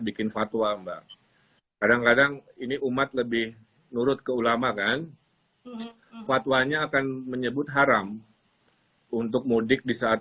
bikin fatwa mbak kadang kadang ini umat lebih nurut ke ulama kan fatwanya akan menyebut haram untuk mudik di saat